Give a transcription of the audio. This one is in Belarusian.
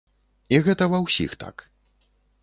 І гэта ва ўсіх так.